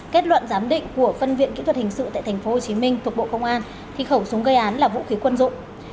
kết luận giám định của phân viện kỹ thuật hình sự tại tp hcm thuộc bộ công an thì khẩu súng gây án là vũ khí quân dụng